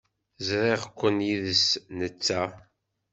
Ẓriɣ-ken yid-s netta.